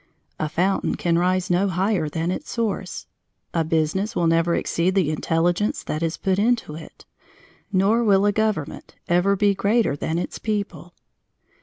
A fountain can rise no higher than its source. A business will never exceed the intelligence that is put into it, nor will a government ever be greater than its people.